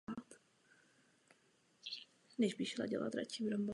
Poslední summit předtím byl v Paříži.